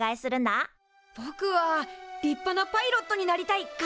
ぼくは「りっぱなパイロットになりたい」かな。